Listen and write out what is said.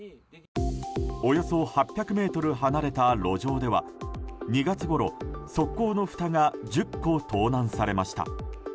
およそ８００ｍ離れた路上では２月ごろ側溝のふたが、１０個盗難されました。